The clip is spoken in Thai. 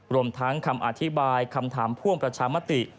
รวมทั้งคำอธิบายคำถามพ่วงประชามติ